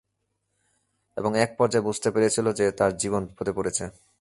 এবং এক পর্যায়ে বুঝতে পেরেছিল যে তার জীবন বিপদে পড়েছে।